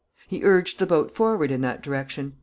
He urged the boat forward in that direction.